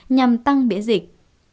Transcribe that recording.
nhằm tăng biễn dịch